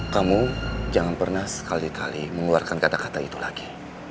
kamu jangan pernah sekali kali mengeluarkan kata kata itu lagi